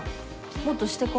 もっとしてこ。